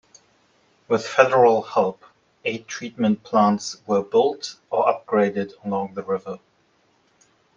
With federal help, eight treatment plants were built or upgraded along the river.